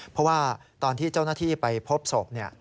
เพราะว่าตอนที่เจ้าหน้าที่ไปพบศพ